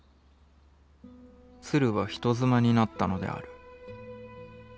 鶴は人妻になったのである。